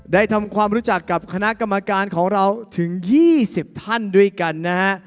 ทำความรู้จักกับคณะกรรมการของเราถึง๒๐ท่านด้วยกันนะฮะ